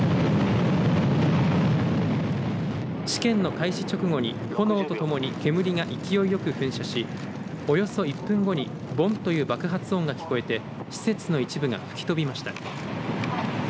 試験の開始直後に炎とともに煙が勢いよく噴射しおよそ１分後にボンという爆発音が聞こえて施設の一部が吹き飛びました。